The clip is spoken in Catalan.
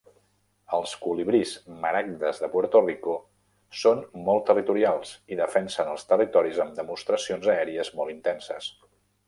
Els colibrís maragdes de Puerto Rico són molt territorials i defensen els territoris amb demostracions aèries molt intensos.